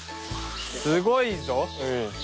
すごいぞ。